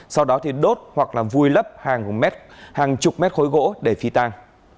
sau đó đốt hoặc vùi lấp hàng chục mét khối gỗ để phi tan